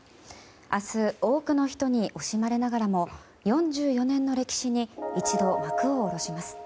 明日、多くの人に惜しまれながらも４４年の歴史に一度、幕を下ろします。